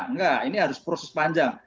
enggak ini harus proses panjang